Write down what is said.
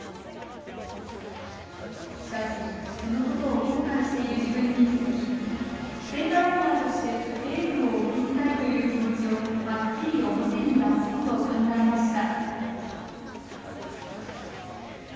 しかし、そのことを後悔している自分に気付き聖火ランナーとして「エールを送りたい」という気持ちをはっきり表に出そうと考えました。